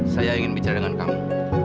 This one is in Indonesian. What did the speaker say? saya ingin bicara dengan kamu